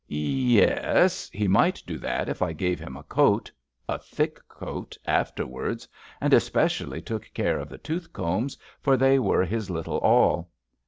''Ye es,'' he might do that if I gave him a coat — a thick coat — afterwards, and especially took care of the tooth combs, for they were his little all.